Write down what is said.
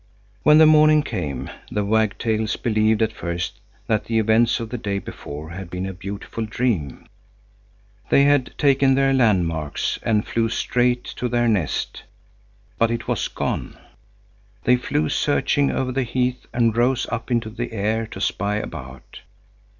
When the morning came, the wagtails believed at first that the events of the day before had been a beautiful dream. They had taken their landmarks and flew straight to their nest, but it was gone. They flew searching over the heath and rose up into the air to spy about.